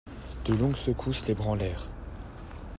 De longues secousses l'ébranlèrent.